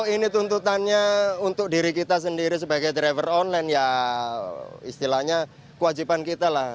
ini tuntutannya untuk diri kita sendiri sebagai driver online ya istilahnya kewajiban kita lah